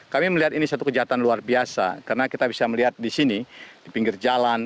kami melihat ini satu kejahatan luar biasa karena kita bisa melihat di sini di pinggir jalan